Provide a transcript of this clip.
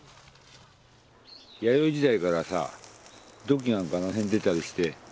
弥生時代からさ土器なんかあの辺出たりして。